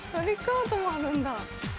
アートもあるんだ。